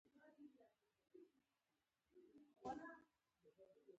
د عمان زیتون او بخور ځانګړی شهرت لري.